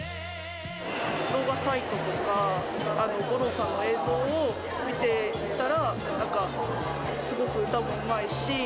動画サイトとか、五郎さんの映像を見ていたら、すごく歌もうまいし。